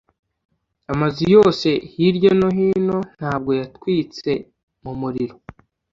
amazu yose hirya no hino ntabwo yatwitse mumuriro